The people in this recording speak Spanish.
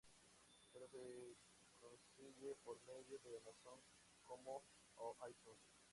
Sólo se lo consigue por medio de Amazon.com o i Tunes.